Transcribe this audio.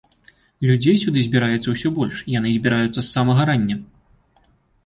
Людзей сюды збіраецца ўсё больш, яны збіраюцца з самага рання.